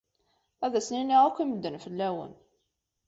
Ad asen-iniɣ akk i medden fell-awen.